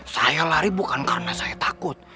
saya lari bukan karena saya takut